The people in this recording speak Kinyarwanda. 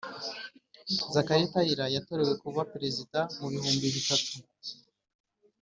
zachary taylor yatorewe kuba perezida mu ibihumbi bitatu